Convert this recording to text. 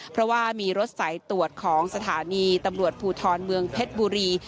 เพราะว่ามีรถสายตรวจของสถานีตำรวจภูทรเมืองเพชรบุรี